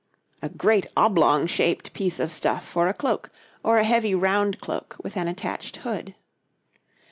A great oblong shaped piece of stuff for a cloak, or a heavy, round cloak with an attached hood.